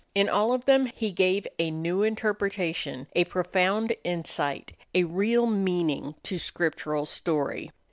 In all of them he gave a new interpretation, a profound insight, a real meaning, to Scriptural story.